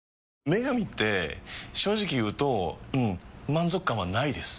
「麺神」って正直言うとうん満足感はないです。